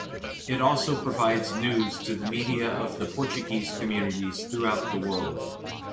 It also provides news to the media of the Portuguese communities throughout the world.